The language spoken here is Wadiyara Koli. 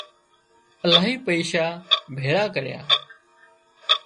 الاهي پئيشا ڀيۯا ڪريا